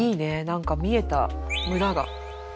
何か見えた村が。